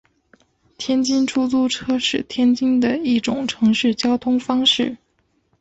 天津出租车是天津的一种城市交通方式。